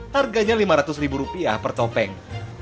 harganya lima ratus ribu rupiah per topeng